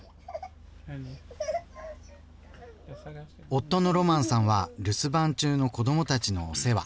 夫のロマンさんは留守番中の子どもたちのお世話。